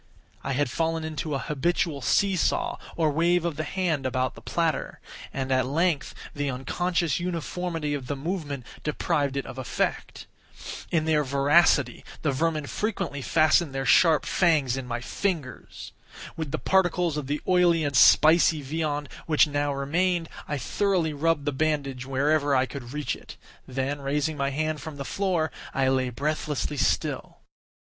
I had fallen into an habitual see saw, or wave of the hand about the platter; and, at length, the unconscious uniformity of the movement deprived it of effect. In their voracity the vermin frequently fastened their sharp fangs in my fingers. With the particles of the oily and spicy viand which now remained, I thoroughly rubbed the bandage wherever I could reach it; then, raising my hand from the floor, I lay breathlessly still.